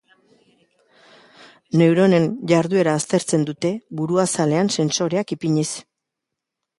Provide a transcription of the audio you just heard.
Neuronen jarduera aztertzen dute buru-azalean sentsoreak ipiniz.